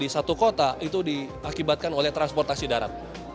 di satu kota itu diakibatkan oleh transportasi darat